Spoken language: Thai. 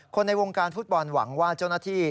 ในวงการฟุตบอลหวังว่าเจ้าหน้าที่